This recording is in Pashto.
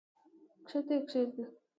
کښته یې کښېږده!